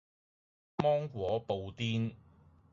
芒果布甸